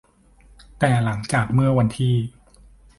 แต่หลังจากเมื่อวันที่